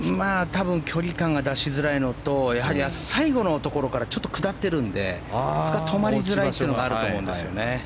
多分、距離感が出しづらいのとやはり、最後のところからちょっと下っているので止まりづらいというのがあると思うんですね。